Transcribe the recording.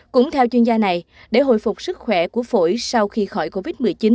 cũng theo chuyên gia này để hồi phục sức khỏe của phổi sau khi khỏi covid một mươi chín